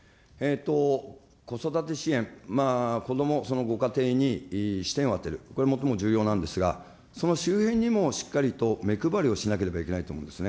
子育て支援、こども、そのご家庭に視点をあてる、それはもっともっと重要なんですが、その周辺にもしっかりと目配りをしないといけないと思うんですよね。